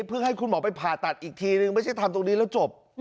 เพื่อให้คุณหมอไปผ่าตัดอีกทีนึงไม่ใช่ทำตรงนี้แล้วจบ